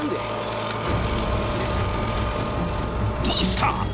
どうした？